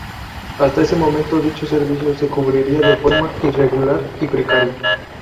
Hasta ese momento, dicho servicio se cubría de forma irregular y precaria.